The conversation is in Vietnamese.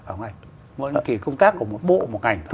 vấn đề công tác của một bộ một ngành